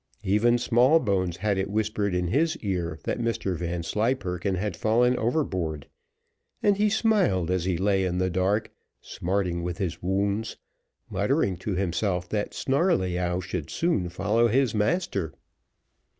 Even Smallbones had it whispered in his ear that Mr Vanslyperken had fallen overboard, and he smiled as he lay in the dark, smarting with his wounds, muttering to himself that Snarleyyow should soon follow his master.